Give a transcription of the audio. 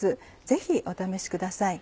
ぜひお試しください。